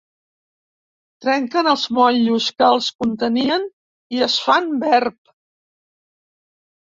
Trenquen els motllos que els contenien i es fan verb.